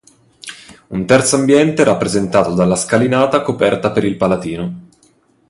Un terzo ambiente è rappresentato dalla scalinata coperta per il Palatino.